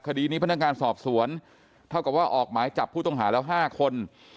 คดีนี้พนักงานสอบสวนเท่ากับว่าออกหมายจับผู้ต้องหาแล้ว๕คน